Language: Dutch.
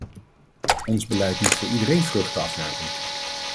Ons beleid moet voor iedereen vruchten afwerpen.